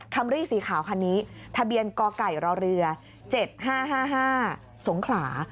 รี่สีขาวคันนี้ทะเบียนกไก่รอเรือ๗๕๕สงขลา